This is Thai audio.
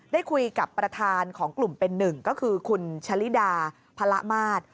ได้คุยกับประธานของกลุ่มเป็นหนึ่งก็คือคุณชะลิดาพระละมาตร